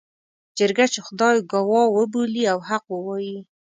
جرګه چې خدای ګواه وبولي او حق ووايي.